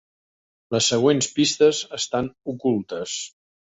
Les següents pistes estan ocultes.